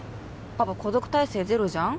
パパ孤独耐性ゼロじゃん？